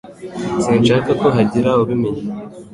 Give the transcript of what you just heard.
Sinshaka ko hagira ubimenya.